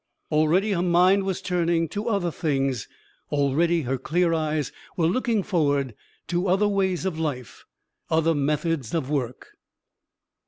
Already her mind was turning to other things, already her clear eyes were looking forward to other ways of life, other methods of work.